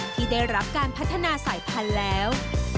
ที่ได้รับการพัฒนาสายพันธุ์แล้ว